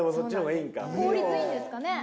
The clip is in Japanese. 効率いいんですかね。